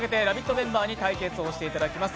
メンバーに対決していただきます。